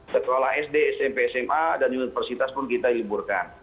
sekolah sd smp sma dan universitas pun kita liburkan